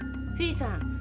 フィーさん